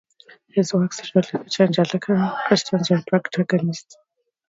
His works usually feature evangelical Christians as protagonists.